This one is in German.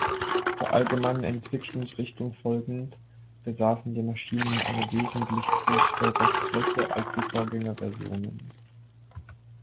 Der allgemeinen Entwicklungsrichtung folgend, besaßen die Maschinen eine wesentlich größere Rostfläche als die Vorgängerversionen.